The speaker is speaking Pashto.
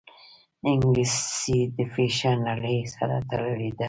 انګلیسي د فیشن نړۍ سره تړلې ده